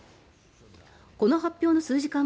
この発表の数時間